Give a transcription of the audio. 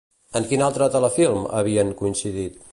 En quin altre telefilm havien coincidit?